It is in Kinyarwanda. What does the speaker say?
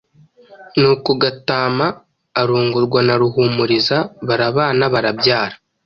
Nuko Gatama arongorwa na Ruhumuriza. Barabana, barabyara,